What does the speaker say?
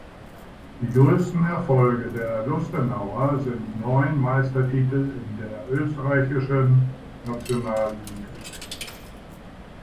Die größten Erfolge der Lustenauer sind neun Meistertitel in der österreichischen Nationalliga.